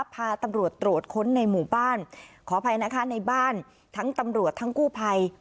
พาตำรวจตรวจค้นในหมู่บ้านขออภัยนะคะในบ้านทั้งตำรวจทั้งกู้ภัย